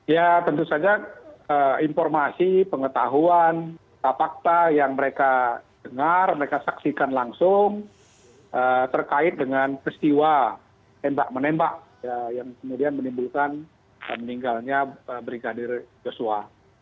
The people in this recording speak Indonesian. ya tentu saja informasi pengetahuan fakta yang mereka dengar mereka saksikan langsung terkait dengan peristiwa tembak menembak yang kemudian menimbulkan meninggalnya brigadir joshua